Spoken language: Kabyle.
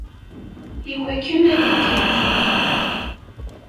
Iwakken ad t-id-ihdu.